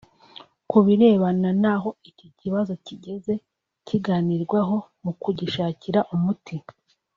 Ku birebana n’aho iki kibazo kigeze kiganirwaho mu kugishakira umuti